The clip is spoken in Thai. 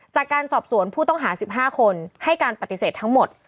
จากการสอบสวนผู้ต้องหา๑๕คนให้การปฏิเสธทั้งหมด